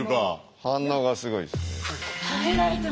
反応がすごいです。